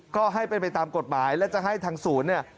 ก็ให้เป็นไปตามกฎหมายและจะให้ทางศูนย์เนี่ย